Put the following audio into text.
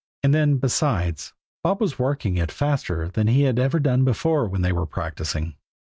And then, besides, Bob was working it faster than he had ever done before when they were practicing.